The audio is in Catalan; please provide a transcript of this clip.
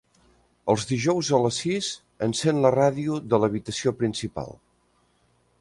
Els dijous a les sis encèn la ràdio de l'habitació principal.